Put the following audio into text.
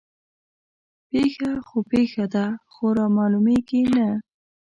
پيښه خو پيښه ده خو رامعلومېږي نه